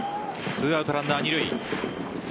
２アウトランナー二塁。